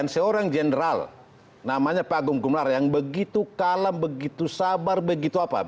seorang jenderal namanya pak agung gumelar yang begitu kalam begitu sabar begitu apa